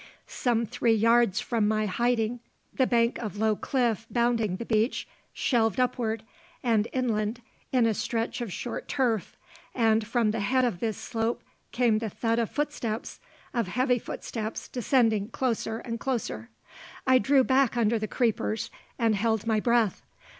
Some three yards from my hiding the bank of low cliff bounding the beach shelved upward and inland in a stretch of short turf, and from the head of this slope came the thud of footsteps of heavy footsteps descending closer and closer. I drew back under the creepers, and held my breath.